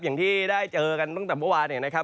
อย่างที่ได้เจอกันตั้งแต่เมื่อวานเนี่ยนะครับ